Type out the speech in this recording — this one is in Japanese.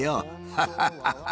ハハハハ！